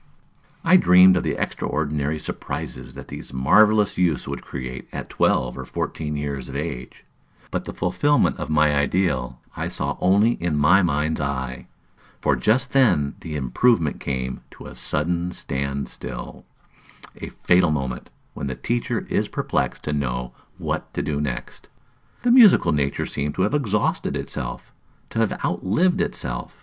I dreamed of the extraordinary surprises that these marvellous youths would create at twelve or fourteen years of age; but the fulfilment of my ideal I saw only in my mind's eye, for just then the improvement came to a sudden stand still, a fatal moment, when the teacher is perplexed to know what to do next. The musical nature seemed to have exhausted itself, to have out lived itself.